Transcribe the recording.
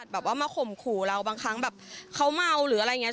แบบว่ามาข่มขู่เราบางครั้งแบบเขาเมาหรืออะไรอย่างนี้